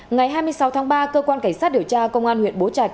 ngày hai mươi sáu tháng ba cơ quan cảnh sát điều tra công an huyện bố trạch